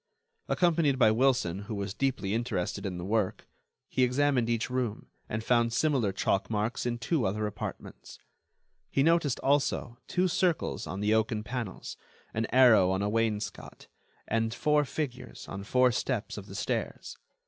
Accompanied by Wilson, who was deeply interested in the work, he examined each room, and found similar chalk marks in two other apartments. He noticed, also, two circles on the oaken panels, an arrow on a wainscot, and four figures on four steps of the stairs.